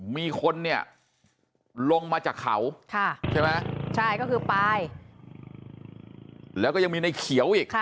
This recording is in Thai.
มีคนเนี่ยลงมาจากเขาใช่ไหมใช่ก็คือปลายแล้วก็ยังมีในเขียวอีก